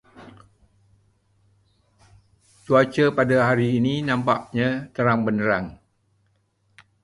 Cuaca pada hari ini nampaknya terang-benderang.